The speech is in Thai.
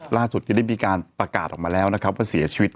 ล่าสุดจะได้มีการประกาศออกมาแล้วว่าเสียชีวิต